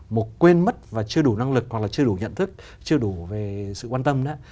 một quên mất và chưa đủ năng lực hoặc là chưa đủ nhận thức chưa đủ về sự quan tâm